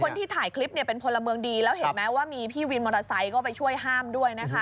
คนที่ถ่ายคลิปเนี่ยเป็นพลเมืองดีแล้วเห็นไหมว่ามีพี่วินมอเตอร์ไซค์ก็ไปช่วยห้ามด้วยนะคะ